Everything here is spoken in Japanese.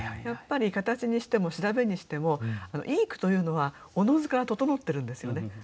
やっぱり形にしても調べにしてもいい句というのはおのずから整ってるんですよね。